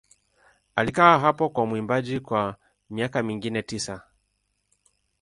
Alikaa hapo kama mwimbaji kwa miaka mingine tisa.